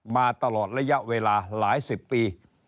มาตลอดระยะเวลาหลายสิบปี